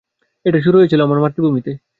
এটা শুরু হয়েছিল আমার মাতৃভূমি তে।